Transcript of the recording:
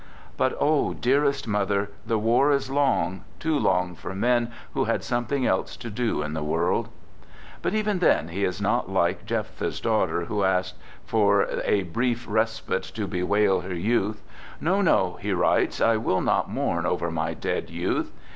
" But, oh dearest mother, the war is long, too long for men who had something else to do in the world !" But even then he is not like Jephthah's daughter who asked " for a brief respite to bewail her youth." " No, no," he writes, " I will not mourn over my dead youth."